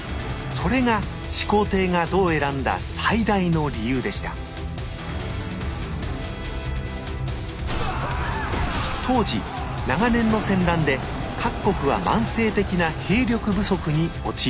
それが始皇帝が弩を選んだ最大の理由でした当時長年の戦乱で各国は慢性的な兵力不足に陥っていました。